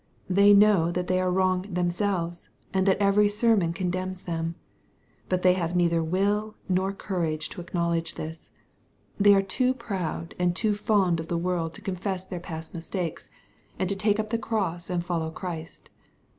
They know that they are wrong themselves, and that every sermon condemns them. But they have neither will nor courage to ac knowledge this. They are too proud and too fond of the world to confess their past mistakes, and to take up the 1 MATTHEW, OHAP. XXH. 279 cross and follow Christ.